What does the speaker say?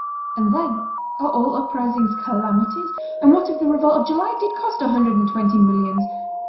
And then, are all uprisings calamities? And what if the revolt of July did cost a hundred and twenty millions?